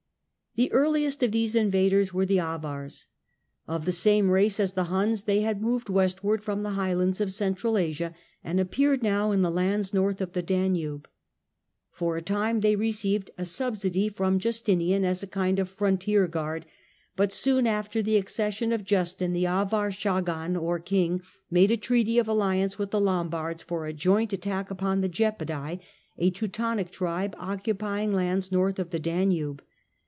The earliest if these invaders were the Avars. Of the same race as :he Huns, they had moved westward from the high ands of Central Asia, and appeared now in the lands lorth of the Danube. For a time they received a sub sidy from Justinian as a kind of frontier guard ; but soon after the accession of Justin, the Avar chagan, or ring, made a treaty of alliance with the Lombards for a oint attack upon the Gepidae, a Teutonic tribe occupy ng lands north of the Danube.